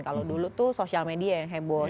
kalau dulu itu social media yang heboh